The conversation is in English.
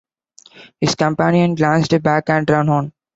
His companion glanced back and ran on.